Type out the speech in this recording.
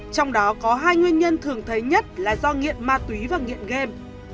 trong đó có hai nguyên nhân thường thấy nhất là do nghiện ma túy và nghiện game